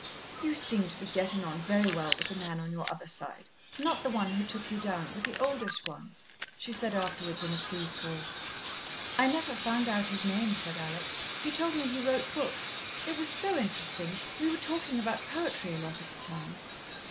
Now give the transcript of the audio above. "You seemed to be gettin' on very well with the man on your other side not the one who took you down, but the oldish one," she said afterwards in a pleased voice. "I never found out his name," said Alex. "He told me he wrote books. It was so interesting; we were talking about poetry a lot of the time."